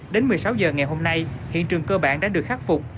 đến một mươi sáu h ngày hôm nay hiện trường cơ bản đã được khắc phục